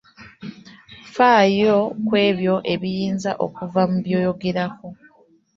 Faayo kwebyo ebiyinza okuva mu by'oyogerako.